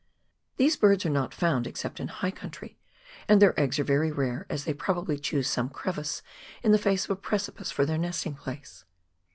These birds are not found except in high country, and their eggs are yery rare, as they probably choose some crevice in the face of a precipice for their nesting place.